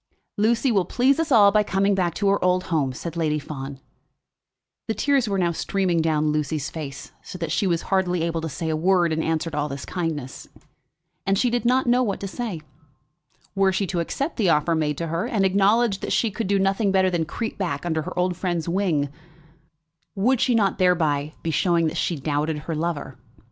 "Lucy will please us all by coming back to her old home," said Lady Fawn. The tears were now streaming down Lucy's face, so that she was hardly able to say a word in answer to all this kindness. And she did not know what word to say. Were she to accept the offer made to her, and acknowledge that she could do nothing better than creep back under her old friend's wing, would she not thereby be showing that she doubted her lover?